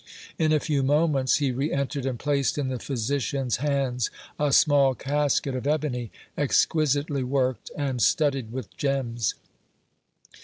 In a few moments he re entered and placed in the physician's hands a small casket of ebony, exquisitely worked and studded with gems.